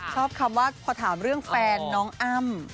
ชอบคำว่าพอถามเรื่องแฟนน้องอ้ำ